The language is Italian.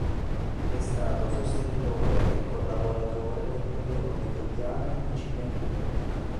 È stato sostenitore e collaboratore del periodico Diari di Cineclub.